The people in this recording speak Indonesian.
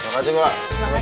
terima kasih mbak